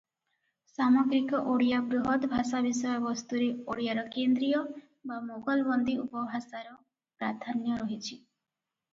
ସାମଗ୍ରିକ ଓଡ଼ିଆ ବୃହତ ଭାଷା ବିଷୟବସ୍ତୁରେ ଓଡ଼ିଆର କେନ୍ଦ୍ରୀୟ ବା ମୋଗଲବନ୍ଦୀ ଉପଭାଷାର ପ୍ରାଧାନ୍ୟ ରହିଛି ।